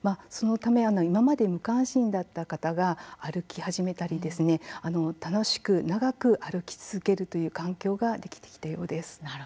そのため今まで無関心だった方が歩き始めたり楽しく長く歩き続けるという環境ができてきたようです。